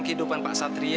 kehidupan pak satria